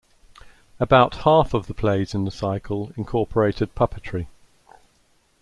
About half of the plays in the cycle incorporated puppetry.